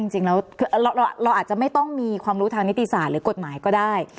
จริงแล้วเราอาจจะไม่ต้องมีความรู้ทางนิติศาสตร์หรือกฎหมายก็ได้